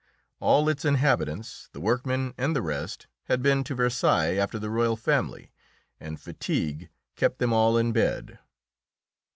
All its inhabitants, the workmen and the rest, had been to Versailles after the royal family, and fatigue kept them all in bed.